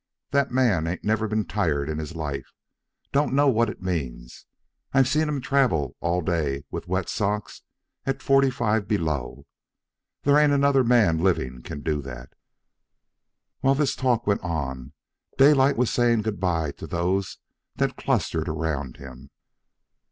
That man ain't never ben tired in his life. Don't know what it means. I seen him travel all day with wet socks at forty five below. There ain't another man living can do that." While this talk went on, Daylight was saying good by to those that clustered around him.